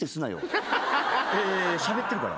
しゃべってるから。